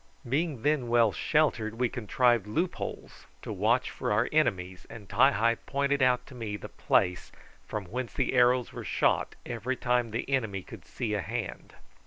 Being then well sheltered we contrived loopholes to watch for our enemies, and Ti hi pointed out to me the place from whence the arrows were shot every time the enemy could see a hand.